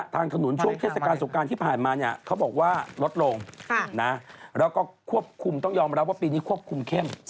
ทางถนนช่วงเทศกาลสงการที่ผ่านมาเนี่ยเขาบอกว่าลดลงแล้วก็ควบคุมต้องยอมรับว่าปีนี้ควบคุมเข้ม